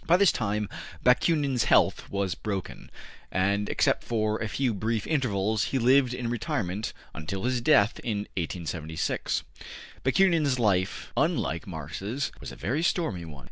By this time Bakunin's health was broken, and except for a few brief intervals, he lived in retirement until his death in 1876. Bakunin's life, unlike Marx's, was a very stormy one.